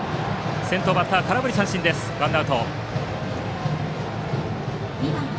先頭バッター、空振り三振でワンアウト。